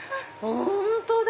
本当だ！